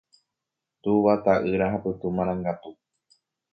Túva, ta'ýra ha Pytu marangatu.